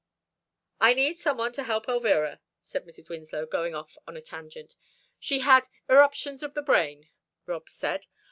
"I need someone to help Elvira," said Mrs. Winslow, going off on a tangent she had "irruptions of the brain," Rob said.